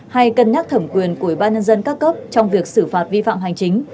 hay cân nhắc thẩm quyền của bà nhân dân các cấp trong việc xử phạt vi phạm hành chính